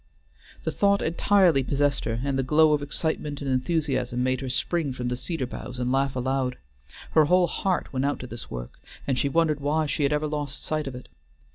The thought entirely possessed her, and the glow of excitement and enthusiasm made her spring from the cedar boughs and laugh aloud. Her whole heart went out to this work, and she wondered why she had ever lost sight of it.